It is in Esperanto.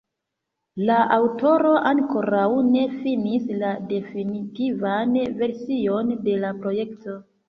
La aŭtoro ankoraŭ ne finis la definitivan version de la projekto.